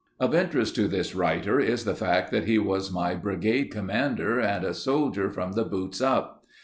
Of interest to this writer is the fact that he was my brigade commander and a soldier from the boots up.